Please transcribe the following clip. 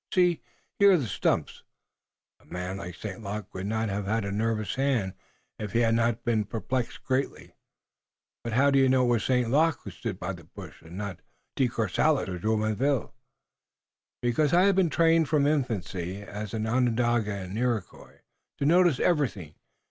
See, here are the stumps. A man like St. Luc would not have had a nervous hand if he had not been perplexed greatly." "But how do you know it was St. Luc who stood by the bush, and not De Courcelles or Jumonville?" "Because I have been trained from infancy, as an Onondaga and Iroquois, to notice everything.